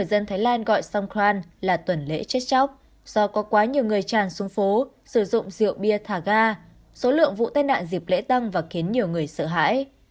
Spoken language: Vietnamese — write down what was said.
số lượng vụ tai nạn dịp lễ tăng và khiến nhiều người sợ hãi